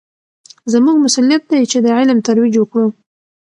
زموږ مسوولیت دی چې د علم ترویج وکړو.